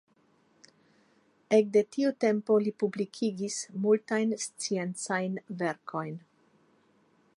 Ekde tiu tempo li publikigis multajn sciencajn verkojn.